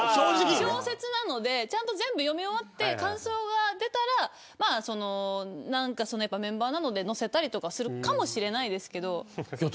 小説なのでちゃんと全部読み終わって感想が出たらメンバーなので載せたりするかもしれないですけど。